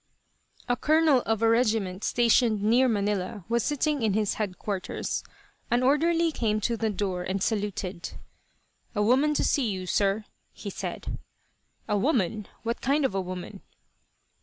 The colonel of a regiment stationed near Manila was sitting in his headquarters. An orderly came to the door and saluted. "A woman to see you, sir," he said. "A woman? What kind of a woman?"